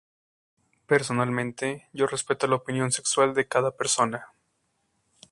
Personalmente, yo respeto la opción sexual de cada persona".